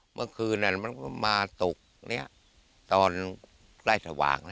เมื่อคืนมันก็มาตกตอนใกล้สว่าง